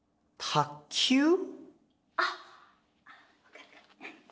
あっ。